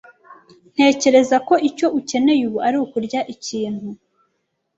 Ntekereza ko icyo ukeneye ubu ari ukurya ikintu.